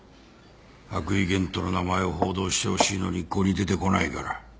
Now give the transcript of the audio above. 羽喰玄斗の名前を報道してほしいのに一向に出てこないから。